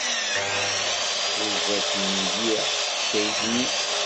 Tḥuza-t mliḥ teḥkayt-nni.